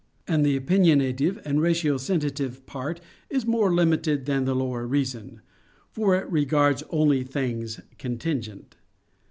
And the "opinionative" and "ratiocinative" part is more limited than the lower reason; for it regards only things contingent.